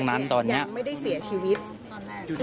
ยังไม่ได้เสียชีวิต